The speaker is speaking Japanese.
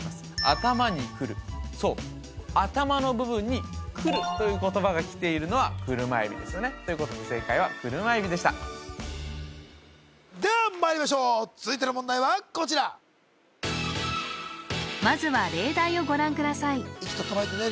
アタマにクルそうアタマの部分にクルという言葉がきているのはクルマエビですよねということで正解はクルマエビでしたではまいりましょう続いての問題はこちらまずは例題をご覧ください息整えてね